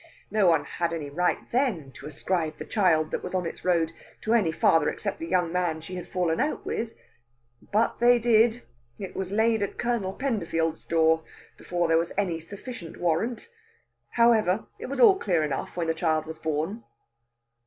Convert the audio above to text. No one had any right then to ascribe the child that was on its road to any father except the young man she had fallen out with. But they did it was laid at Colonel Penderfield's door, before there was any sufficient warrant. However, it was all clear enough when the child was born."